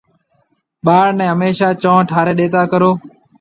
ٻاݪ نَي هميشا چونه ٺاريَ ڏيتا ڪرون۔